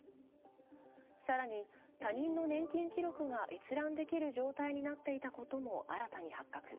更に、他人の年金記録が閲覧できる状態になっていたことも新たに発覚。